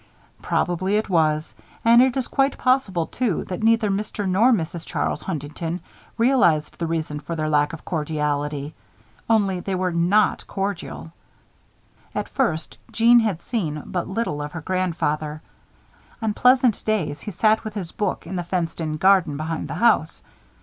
Possibly it was. And it is quite possible, too, that neither Mr. nor Mrs. Charles Huntington realized the reason for their lack of cordiality. Only, they were not cordial. At first, Jeanne had seen but little of her grandfather. On pleasant days he sat with his book in the fenced in garden behind the house.